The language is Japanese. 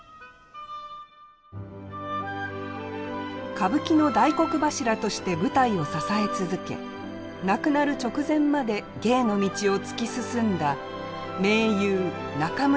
歌舞伎の大黒柱として舞台を支え続け亡くなる直前まで芸の道を突き進んだ名優中村吉右衛門。